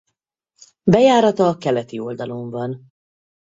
Bejárata a keleti oldalon van.